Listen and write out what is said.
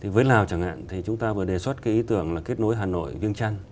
với lào chẳng hạn chúng ta vừa đề xuất ý tưởng kết nối hà nội viên trăn